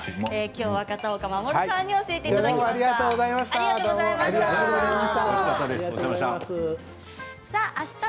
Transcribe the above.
今日は片岡護さんに教えていただきました。